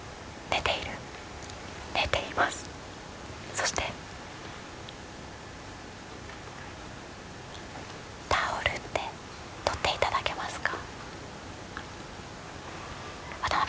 そして、タオルって取っていただけますか？